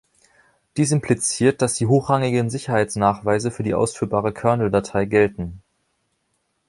Dies impliziert, dass die hochrangigen Sicherheitsnachweise für die ausführbare Kernel-Datei gelten.